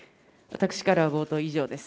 私からは冒頭、以上です。